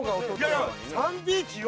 いやいやサンビーチを。